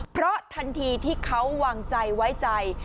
เพราะทันทีที่เขาวางใจไว้ใจ